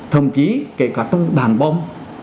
thầm ký kể cả trong đàn bom